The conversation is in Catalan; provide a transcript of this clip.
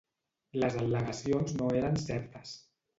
Les al·legacions no eren certes.